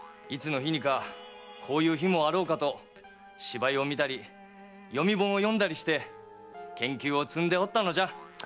いつの日にかこういう日もあろうかと芝居を見たり読本を読んだりして研究を積んでおったのじゃ。